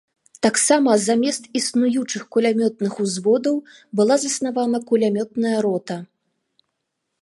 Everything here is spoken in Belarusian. Таксама замест існуючых кулямётных узводаў была заснавана кулямётная рота.